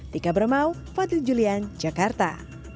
dika bremau fadl julian jakarta